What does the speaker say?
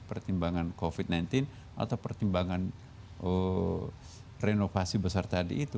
pertimbangan covid sembilan belas atau pertimbangan renovasi besar tadi itu